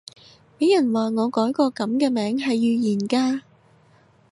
俾人話我改個噉嘅名係預言家